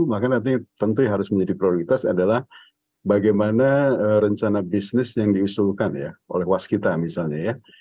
maka nanti tentu harus menjadi prioritas adalah bagaimana rencana bisnis yang diusulkan ya oleh waskita misalnya ya